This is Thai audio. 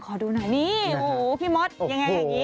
ขอดูหน่อยนี่โอ้โฮพี่ม็อตอย่างไรอย่างนี้